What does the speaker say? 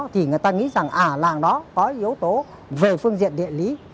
thì người ta nghĩ rằng làng đó có yếu tố về phương diện địa lý